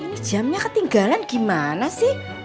ini jamnya ketinggalan gimana sih